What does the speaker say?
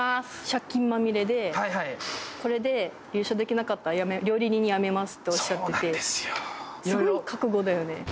借金まみれでこれで優勝できなかったら料理人辞めますっておっしゃっててすごい覚悟だよね